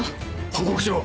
報告しろ！